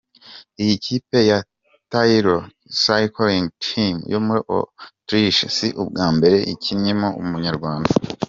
Iyi kipe ya Tirol Cycling Team yo muri Autriche, si ubwa mbere ikinnyemo umunyarwanda.